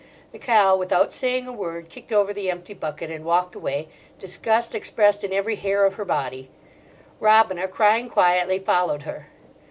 The cow, without saying a word, kicked over the empty bucket, and walked away, disgust expressed in every hair of her body. Robina, crying quietly, followed her.